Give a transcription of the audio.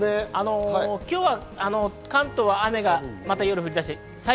今日は関東は雨が夜、降り出します。